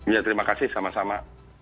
ya terima kasih sama sama